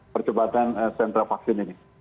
percepatan sentra vaksin ini